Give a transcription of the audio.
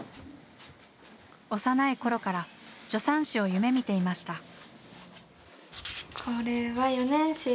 幼い頃から助産師を夢みていました。